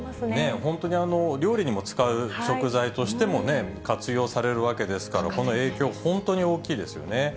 本当に料理にも使う食材としてもね、活用されるわけですから、この影響、本当に大きいですよね。